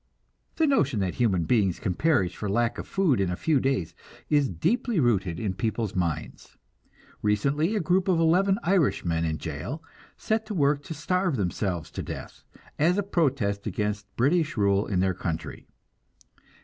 The notion that human beings can perish for lack of food in a few days is deeply rooted in people's minds. Recently a group of eleven Irishmen in jail set to work to starve themselves to death, as a protest against British rule in their country.